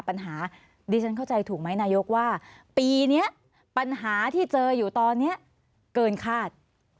ดิฉันเข้าใจถูกไหมนายกว่าปีนี้ปัญหาที่เจออยู่ตอนนี้เกินคาด